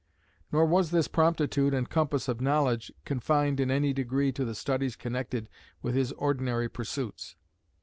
Nor was this promptitude and compass of knowledge confined in any degree to the studies connected with his ordinary pursuits.